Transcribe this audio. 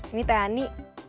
ini teh ani